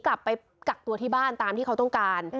กลับไปกักตัวที่บ้านตามที่เขาต้องการ